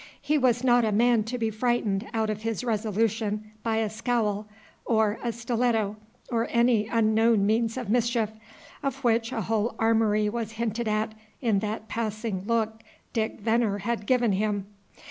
He was not a man to be frightened out of his resolution by a scowl, or a stiletto, or any unknown means of mischief, of which a whole armory was hinted at in that passing look Dick Venner had given him.